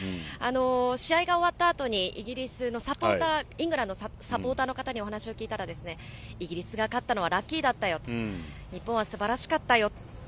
試合が終わったあとに、イギリスのサポーター、イングランドのサポーターの方にお話を聞いたら、イギリスが勝ったのはラッキーだったよと、日本はすばらしかったよ。